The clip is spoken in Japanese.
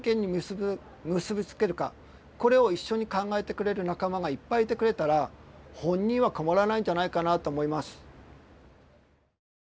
これを一緒に考えてくれる仲間がいっぱいいてくれたら本人は困らないんじゃないかなと思います。